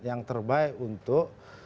yang terbaik untuk